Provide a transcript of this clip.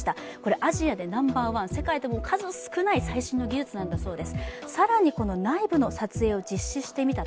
アジアでナンバーワン、世界でも数少ない最新の技術だそうです。